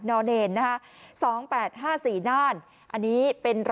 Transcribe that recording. กลุ่มตัวเชียงใหม่